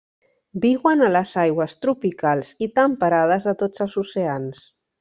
Viuen a les aigües tropicals i temperades de tots els oceans.